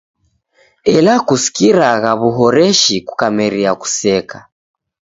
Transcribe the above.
Ela kuskiragha w'uhoreshi kukameria kuseka.